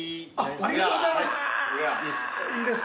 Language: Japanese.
ありがとうございます。